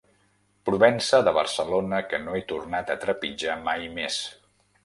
Provença de Barcelona que no he tornat a trepitjar mai més.